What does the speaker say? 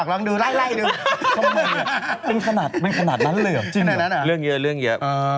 เรื่องเยอะเรื่องเยอะ